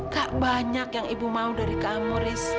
tak banyak yang ibu mau dari kamu haris